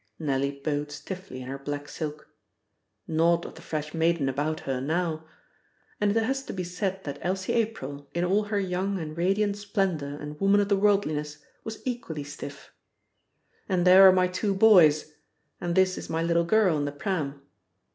Nellie bowed stiffly in her black silk. Naught of the fresh maiden about her now! And it has to be said that Elsie April, in all her young and radiant splendour and woman of the worldliness, was equally stiff. "And there are my two boys. And this is my little girl in the pram."